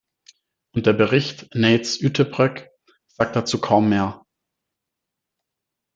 Und der Bericht Neyts-Uyttebroeck sagt dazu kaum mehr.